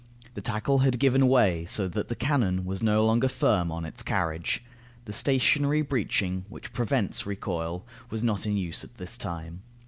The tackle had given way, so that the cannon was no longer firm on its carriage. The stationary breeching, which prevents recoil, was not in use at this time.